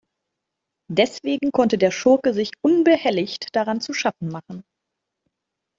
Deswegen konnte der Schurke sich unbehelligt daran zu schaffen machen.